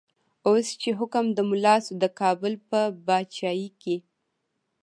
اوس چی حکم د ملا شو، د کابل په با چايې کی